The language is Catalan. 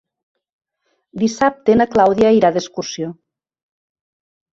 Dissabte na Clàudia irà d'excursió.